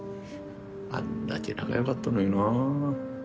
あんだけ仲良かったのになぁ。